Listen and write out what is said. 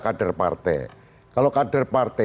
kader partai kalau kader partai